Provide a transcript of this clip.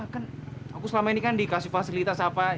kan aku selama ini kan dikasih fasilitas apa